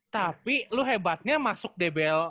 tapi lo hebatnya masuk dbl